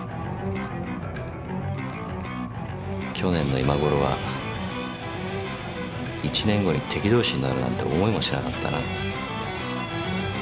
去年の今頃は１年後に敵同士になるなんて思いもしなかったな。